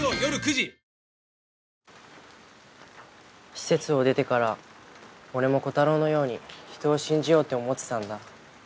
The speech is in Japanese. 施設を出てから俺もコタローのように人を信じようって思ってたんだ。